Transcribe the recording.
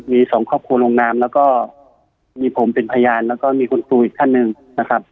มีสองครอบครัวลงนามแล้วก็มีผมเป็นพยานแล้วก็มีคุณครูอีกท่านหนึ่งนะครับ